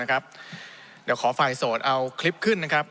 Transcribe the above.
จะขอไฟโสดเอาคลิปขึ้น